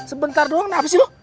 sebentar doang nafasin lo